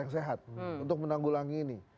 yang sehat untuk menanggulangi ini